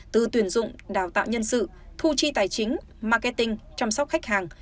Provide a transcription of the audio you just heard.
từ tuyển dụng đào tạo nhân sự thu chi tài chính marketing chăm sóc khách hàng